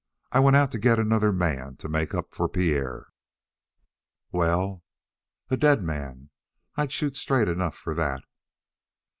I went out to get another man to make up for Pierre." "Well?" "A dead man. I shoot straight enough for that."